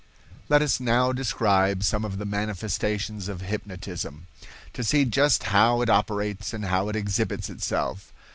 Let us now describe some of the manifestations of hypnotism, to see just how it operates and how it exhibits itself.